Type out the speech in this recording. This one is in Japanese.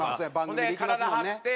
それで体張って。